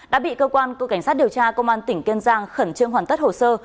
đã bị cơ quan cục cảnh sát điều tra công an tỉnh kiên giang khẩn trương hoàn tất hồ sơ